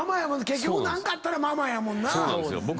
結局何かあったらママやもんな。